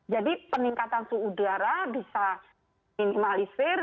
jadi peningkatan suhu udara bisa minimalisir